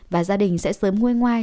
và gia đình sẽ sớm nguê ngoai